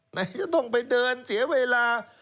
ไหนจะต้องไปเดินเสียเวลา